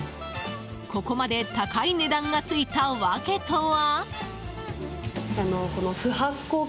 ここまで高い値段がついた訳とは。